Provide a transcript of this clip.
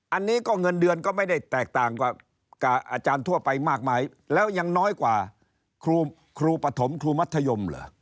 อันนี้ก็เงินเดือนก็ไม่ได้แตกต่างกับอาจารย์ทั่วไปมากมายแล้วยังน้อยกว่าครูปฐมครูมัธยมเหรอ